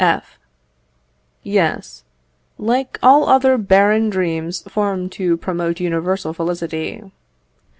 F. Yes, like all other barren dreams formed to promote universal felicity.